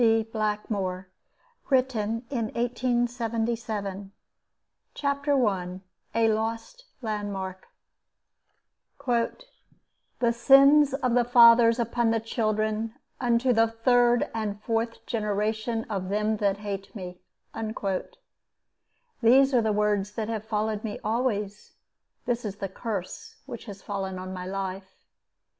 D. Blackmore 1877 CHAPTER I A LOST LANDMARK "The sins of the fathers upon the children, unto the third and fourth generation of them that hate me." These are the words that have followed me always. This is the curse which has fallen on my life.